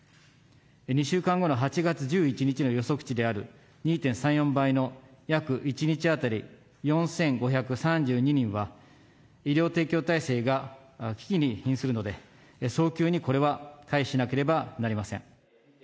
２週間後の８月１１日の予測値である２．３４倍の約１日当たり４５３２人は、医療提供体制が危機にひんするので、早急にこれは回避しなければなりません。